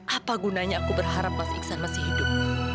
apa gunanya aku berharap mas iksan masih hidup